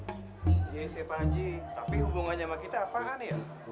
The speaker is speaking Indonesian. iya sih pak haji tapi hubungannya sama kita apa kan ya